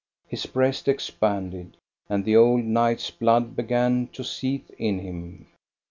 His breast expanded, and the old knights' blood began to seethe in him.